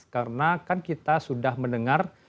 karena kan kita sudah mendengar